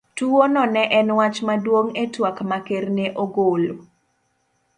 Tuwono ne en wach maduong ' e twak ma Ker ne ogolo